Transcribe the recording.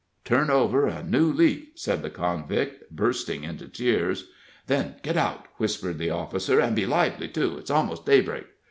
"Turn over a new leaf," said the convict, bursting into tears. "Then get out," whispered the officer, "and be lively, too it's almost daybreak."